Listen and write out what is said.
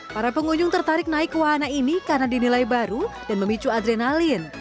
para pengunjung tertarik naik wahana ini karena dinilai baru dan memicu adrenalin